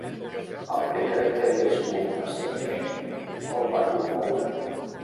El que crec que és un estremiment el va commoure.